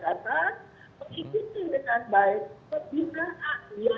jadi saya ingin mengingatkan kepada masyarakat